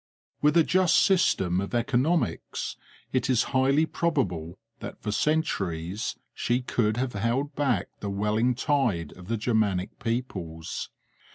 With a just system of economics it is highly probable that for centuries she could have held back the welling tide of the Germanic peoples.